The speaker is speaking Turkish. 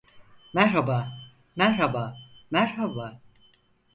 Merhaba, merhaba, merhaba.